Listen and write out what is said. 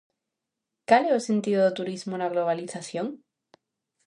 Cal é o sentido do turismo na globalización?